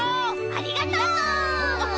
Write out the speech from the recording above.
ありがとう！